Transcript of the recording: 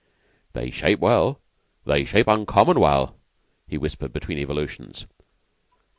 "They shape well. They shape uncommon well," he whispered between evolutions.